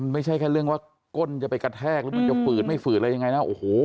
ไม่ใช่แค่เรื่องว่าก้นจะไปกระแทกหรือมันจะฝืดไม่ฝืดอะไรยังไงนะโอ้โห